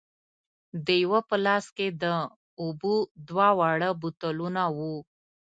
د یوه په لاس کې د اوبو دوه واړه بوتلونه وو.